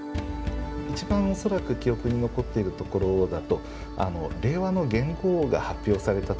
一番恐らく記憶に残っているところだと令和の元号が発表された時。